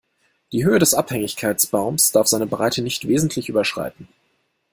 Die Höhe des Abhängigkeitsbaums darf seine Breite nicht wesentlich überschreiten.